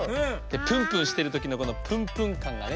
プンプンしてるときのこのプンプンかんがね。